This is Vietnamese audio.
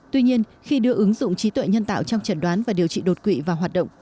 tuy nhiên khi đưa ứng dụng trí tuệ nhân tạo trong chẩn đoán và điều trị đột quỵ vào hoạt động